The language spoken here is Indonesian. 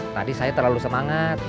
tadi saya terlalu semangat